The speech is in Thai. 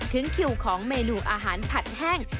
ถึงคิวของเมนูอาหารผัดแห้ง